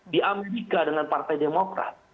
di amerika dengan partai demokrat